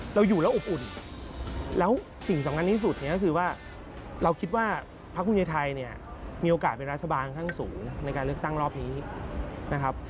เราอยู่แล้วอบอุ่นแล้วสิ่งสำคัญที่สุดเนี่ยก็คือว่าเราคิดว่าพักภูมิใจไทยเนี่ยมีโอกาสเป็นรัฐบาลข้างสูงในการเลือกตั้งรอบนี้นะครับ